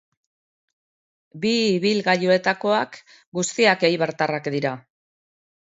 Bi ibilgailuetakoak guztiak eibartarrak dira.